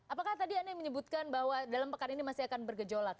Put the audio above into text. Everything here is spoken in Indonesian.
apakah tadi anda yang menyebutkan bahwa dalam pekan ini masih akan bergejolak